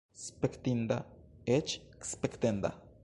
Spektinda, eĉ spektenda!